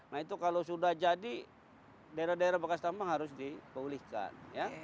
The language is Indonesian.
nah itu kalau sudah jadi daerah daerah bekas tambang harus dipulihkan